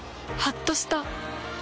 はっとした。